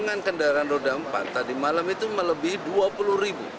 dengan kendaraan roda empat tadi malam itu melebihi dua puluh ribu